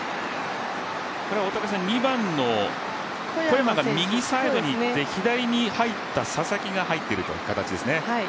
２番の小山が右サイドにいって左に入った佐々木が入っているという形ですね。